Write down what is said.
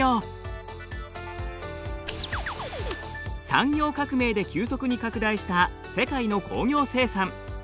産業革命で急速に拡大した世界の工業生産。